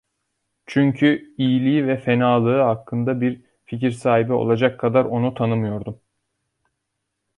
Çünkü iyiliği ve fenalığı hakkında bir fikir sahibi olacak kadar onu tanımıyordum.